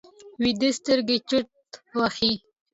ویده سترګې چورت وهي